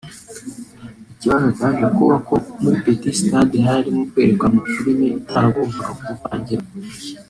Ikibazo cyaje kuba ko muri petit stade harimo herekanwa filimi itaragombaga kuvangirwa